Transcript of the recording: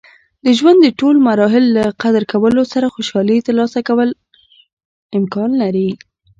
د ژوند د ټول مراحل له قدر کولو سره خوشحالي ترلاسه کول امکان لري.